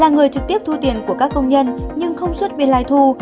là người trực tiếp thu tiền của các công nhân nhưng không xuất biên lai thu